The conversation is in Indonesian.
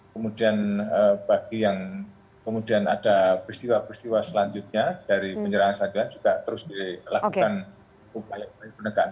kemudian bagi yang kemudian ada peristiwa peristiwa selanjutnya dari penyerangan penyerangan juga terus dilakukan